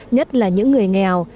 nhất là những người nghèo